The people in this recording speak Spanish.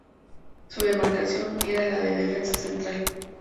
Su demarcación era la de defensa central.